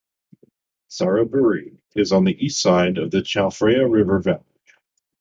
Saraburi is on the east side of the Chao Phraya River valley.